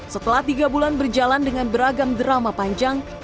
setelah tiga bulan berjalan dengan beragam drama panjang